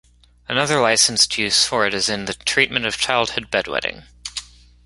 Another licensed use for it is in the treatment of childhood bedwetting.